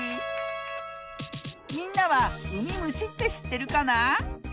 みんなはうみむしってしってるかな？